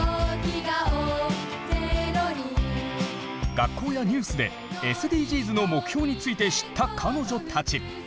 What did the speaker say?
学校やニュースでＳＤＧｓの目標について知った彼女たち。